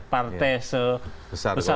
partai sebesar golkar